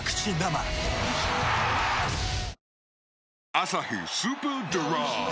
「アサヒスーパードライ」